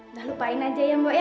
nggak lupain aja ya mbak ya